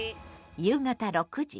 夕方６時。